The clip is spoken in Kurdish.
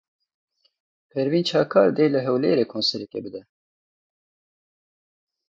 Pervîn Çakar dê li Hewlêrê konserekê bide.